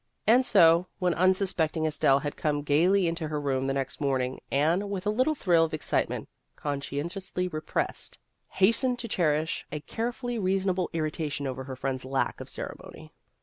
And so, when unsuspecting Estelle had come gaily into her room the next morn ing, Anne, with a little thrill of excite ment conscientiously repressed, hastened to cherish a carefully reasonable irritation over her friend's lack of ceremony.